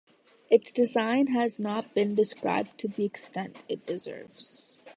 Its design has not been described to the extent it deserves.